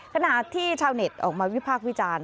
ขณะที่ชาวเน็ตออกมาวิพากษ์วิจารณ์